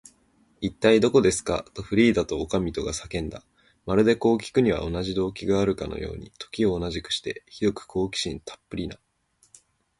「いったい、どこですか？」と、フリーダとおかみとが叫んだ。まるで、こうきくのには同じ動機があるかのように、時を同じくして、ひどく好奇心たっぷりな